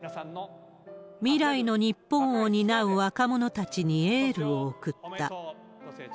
未来の日本を担う若者たちにエールを送った。